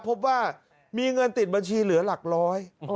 พบว่ามีเงินติดบัญชีเหลือหลักร้อย